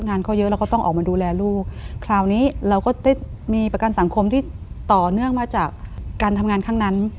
งานเขาเยอะเราก็ต้องออกมาดูแลลูกคราวนี้เราก็ได้มีประกันสังคมที่ต่อเนื่องมาจากการทำงานข้างนั้น